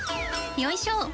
よいしょ！